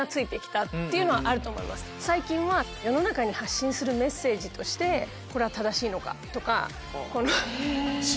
最近は世の中に発信するメッセージとしてこれは正しいのか？とか。